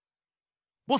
ボス